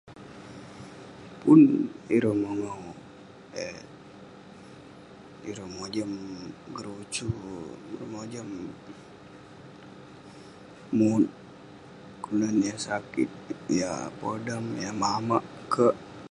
pun ireh mongau eh, ireh mojam ngerusu, ireh mojam mut kelunan yah sakit, yah podam, yah mamak kerk..